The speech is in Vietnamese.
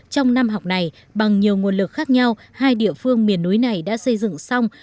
trong năm học này bằng nhiều nguồn lực khác nhau hai địa phương miền núi này đã xây dựng xong